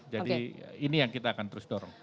jadi ini yang kita akan terus dorong